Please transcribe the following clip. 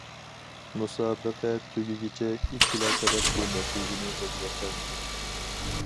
مۇسابىقە تۈگىگىچە، ئىككىلا تەرەپ بۇ نەتىجىنى ئۆزگەرتەلمىدى.